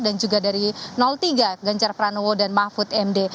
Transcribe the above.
dan juga dari tiga genjar pranowo dan mahfud md